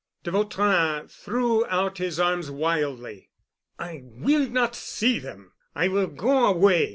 De Vautrin threw out his arms wildly. "I will not see them. I will go away."